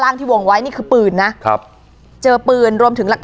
สลับผัดเปลี่ยนกันงมค้นหาต่อเนื่อง๑๐ชั่วโมงด้วยกัน